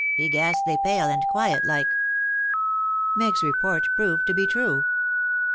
He ghastly pale and quiet like." Meg's report proved to be true.